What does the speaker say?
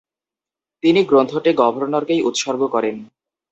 তিনি গ্রন্থটি গভর্নরকেই উৎসর্গ করেন।